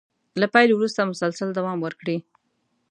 له پيل وروسته مسلسل دوام وکړي.